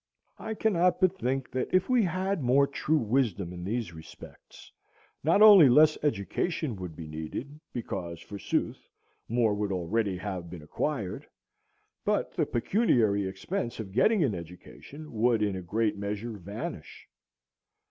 I cannot but think that if we had more true wisdom in these respects, not only less education would be needed, because, forsooth, more would already have been acquired, but the pecuniary expense of getting an education would in a great measure vanish.